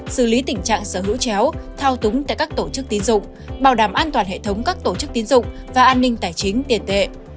xử lý tình trạng sở hữu chéo thao túng tại các tổ chức tín dụng bảo đảm an toàn hệ thống các tổ chức tín dụng và an ninh tài chính tiền tệ